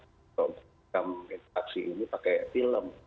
untuk mengambil aksi ini pakai film